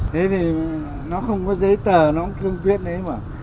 thế thì nó không có giấy tờ nó cũng cương quyết đấy mà